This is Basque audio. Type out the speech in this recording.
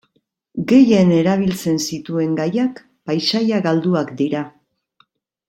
Gehien erabiltzen zituen gaiak paisaia galduak dira.